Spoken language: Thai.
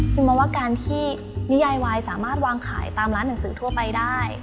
มองว่าการที่นิยายวายสามารถวางขายตามร้านหนังสือทั่วไปได้